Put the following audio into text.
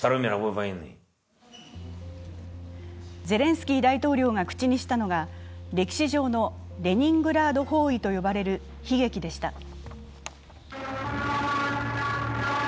ゼレンスキー大統領が口にしたのが歴史上のレニングラード包囲と呼ばれる悲劇でした。